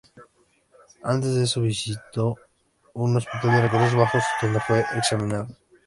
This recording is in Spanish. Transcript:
Antes de eso, visitó un hospital de recursos bajos donde fue examinado.